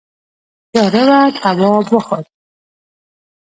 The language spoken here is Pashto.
تیاره وه تواب وخوت.